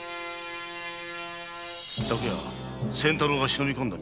昨夜仙太郎が忍び込んだ店は？